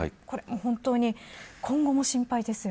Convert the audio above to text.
本当に、今後も心配ですよね。